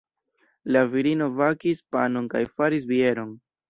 La virino bakis panon kaj faris bieron.